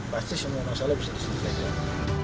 pasti semua masalah bisa diselesaikan